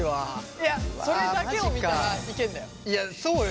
いやそれだけを見たらいけるんだよ。